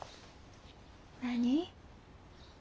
何？